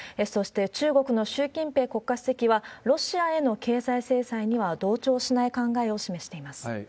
そして、中国の習近平国家主席は、ロシアへの経済制裁には同調しない考えを示しています。